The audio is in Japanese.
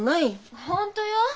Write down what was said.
本当よ。